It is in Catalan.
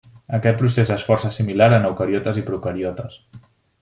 Aquest procés és força similar en eucariotes i procariotes.